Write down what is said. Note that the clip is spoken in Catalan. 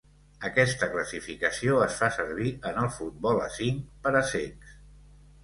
Aquesta classificació es fa servir en el futbol a cinc per a cecs.